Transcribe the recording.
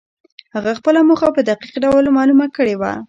هغه خپله موخه په دقيق ډول معلومه کړې وه.